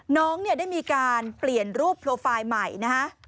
น้องเนี่ยได้มีการเปลี่ยนรูปโปรไฟล์ใหม่นะฮะ